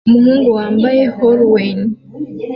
Umuhungu wambaye Halloween